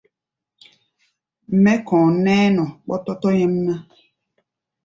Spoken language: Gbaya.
Mɛ́ kɔ̧ɔ̧ nɛ́ɛ́ nɔ ɓɔ́tɔ́tɔ́ nyɛ́mná.